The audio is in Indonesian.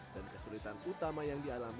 dan kesulitan utama yang dialami